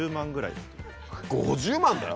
５０万だよ？